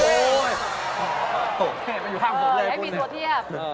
เออให้มีตัวเทียบ